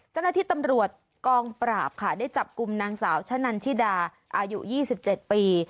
เจ้าหน้าที่ตำรวจกองปราบค่ะได้จับกลุ่มนางสาวชะนันชิดาอายุ๒๗ปี